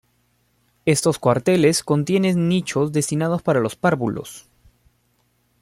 Estos cuarteles contienen nichos destinados para los párvulos.